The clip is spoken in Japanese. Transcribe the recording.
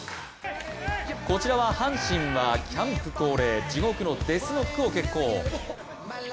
こちらは阪神はキャンプ恒例地獄のデスノックを決行。